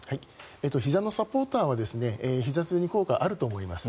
ひざのサポーターはひざ痛に効果があると思います。